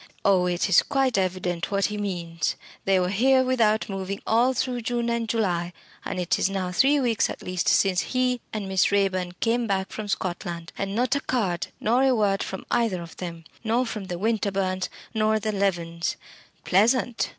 Oh, it is quite evident what he means. They were here without moving all through June and July, and it is now three weeks at least since he and Miss Raeburn came back from Scotland, and not a card nor a word from either of them! Nor from the Winterbournes, nor the Levens. Pleasant!